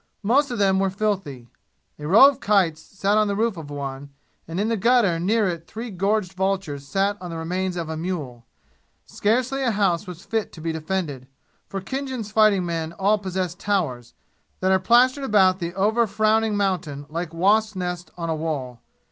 Most of them were filthy. A row of kites sat on the roof of one, and in the gutter near it three gorged vultures sat on the remains of a mule. Scarcely a house was fit to be defended, for Khinjan's fighting men all possess towers, that are plastered about the overfrowning mountain like wasp nests on a wall.